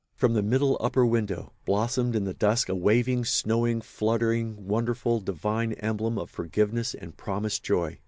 From the middle upper window blossomed in the dusk a waving, snowy, fluttering, wonderful, divine emblem of forgiveness and promised joy.